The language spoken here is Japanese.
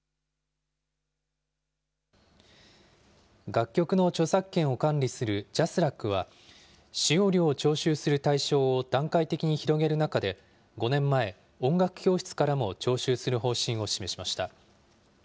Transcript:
楽曲の著作権を管理するＪＡＳＲＡＣは、使用料を徴収する対象を段階的に広げる中で、５年前、音楽教室からも徴収する方針を示しました。